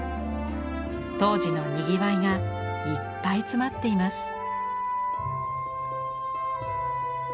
当時のにぎわいがいっぱい詰まっています。